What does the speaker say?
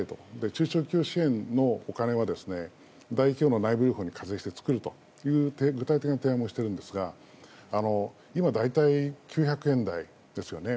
中小企業支援のお金は大企業に内部留保をして作ると具体的な提案をしているんですが今、大体９００円台ですよね。